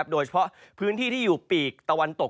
โดยเฉพาะพื้นที่ที่อยู่ปีกตะวันตก